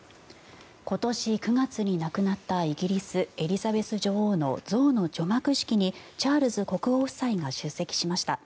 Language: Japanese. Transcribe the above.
今年９月に亡くなったイギリス、エリザベス女王の像の除幕式にチャールズ国王夫妻が出席しました。